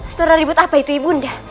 surah ribut apa itu ibu undang